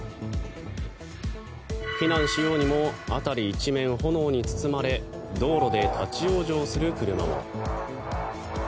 避難しようにも辺り一面炎に包まれ道路で立ち往生する車も。